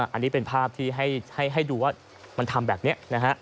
อันนี้เป็นภาพที่ให้ดูว่ามันทำแบบนี้นะฮะ